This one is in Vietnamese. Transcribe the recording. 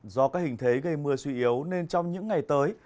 do các hình thế gây mưa suy yếu nên trong những ngày tới